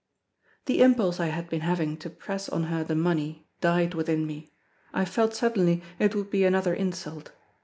The impulse I had been having to press on her the money, died within me; I felt suddenly it would be another insult.